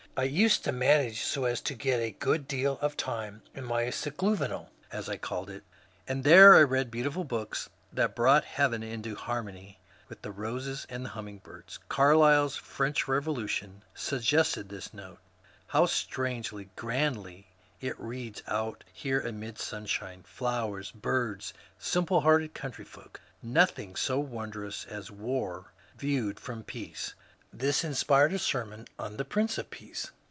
I used to manage so as to get a good deal of time in my ^^ Seclu saval," as I called it, and there I read beautiful books that brought heaven into harmony with the roses and humming . birds. Carlyle's " French Revolution " suggested this note :*^ How strangely, grandly, it reads out here amid sunshine, flowers, birds, simple hea^rted countryfolk ! Nothing so won drous as War viewed from Peace." This inspired a sermon on the Prince of Peace.